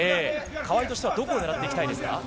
川井としてはどこを狙っていきたいですか？